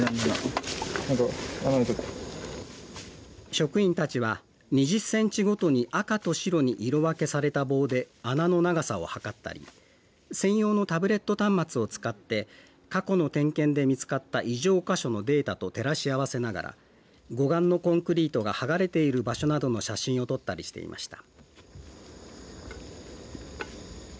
職員たちは２０センチごとに赤と白に色分けされた棒で穴の長さを測ったり専用のタブレット端末を使って過去の点検で見つかった異常箇所のデータと照らし合わせながら護岸のコンクリートが剥がれている場所などの写真を撮ったりしていました。